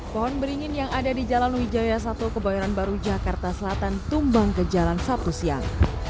pohon beringin yang ada di jalan wijaya satu kebayoran baru jakarta selatan tumbang ke jalan sabtu siang